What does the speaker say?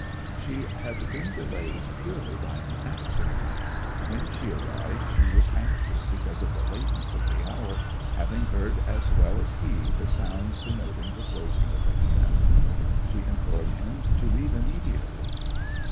She had been delayed purely by an accident. When she arrived she was anxious because of the lateness of the hour, having heard as well as he the sounds denoting the closing of the camp. She implored him to leave immediately.